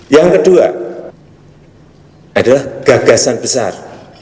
yang kedua adalah gagasan besar